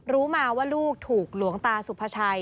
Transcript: รู้มาว่าลูกถูกหลวงตาสุภาชัย